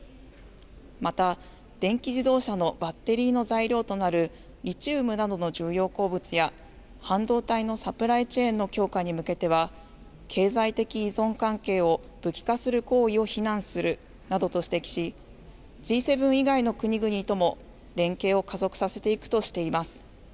また電気自動車のバッテリーの材料となるリチウムなどの重要鉱物や半導体のサプライチェーンの強化に向けては経済的依存関係を武器化する行為を非難するなどと指摘しＧ７以外の国々とも連携を加速させていくとしています。